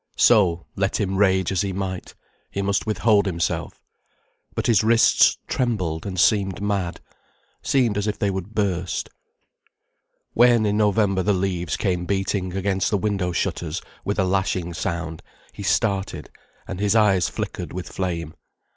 So, let him rage as he might, he must withhold himself. But his wrists trembled and seemed mad, seemed as if they would burst. When, in November, the leaves came beating against the window shutters, with a lashing sound, he started, and his eyes flickered with flame.